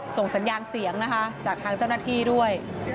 ส่งสัญญาณเสียงนะคะจากทางเจ้าหน้าที่ด้วย